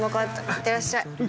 いってらっしゃい。